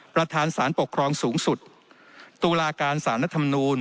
ประธานสารปกครองสูงสุดตุลาการสารรัฐมนูล